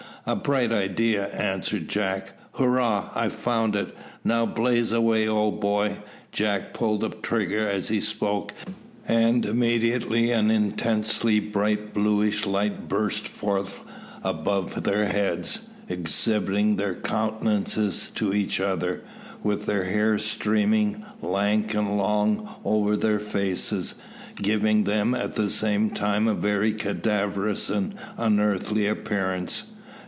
"A bright idea," answered jack. "Hurrah! I've found it. Now blaze away, old boy." Jack pulled the trigger as he spoke, and immediately an intensely bright bluish light burst forth above their heads, exhibiting their countenances to each other, with their hair streaming, lank and long, over their faces, giving them at the same time a very cadaverous and unearthly appearance.